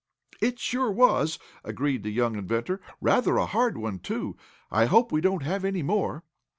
"It sure was," agreed the young inventor. "Rather a hard one, too. I hope we don't have any more."